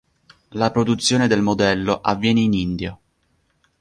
La produzione del modello avviene in India.